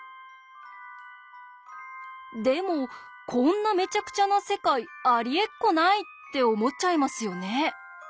でも「こんなめちゃくちゃな世界ありえっこない！」って思っちゃいますよね？